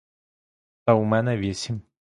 Та у мене вісім.